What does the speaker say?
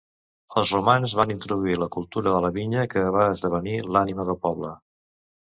Els Romans van introduir la cultura de la vinya que va esdevenir l'ànima del poble.